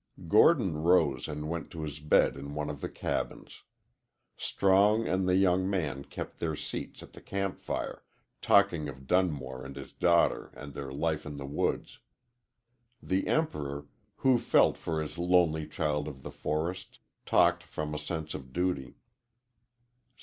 Gordon rose and went to his bed in one of the cabins. Strong and the young man kept their seats at the camp fire, talking of Dunmore and his daughter and their life in the woods. The Emperor, who felt for this lonely child of the forest, talked from a sense of duty.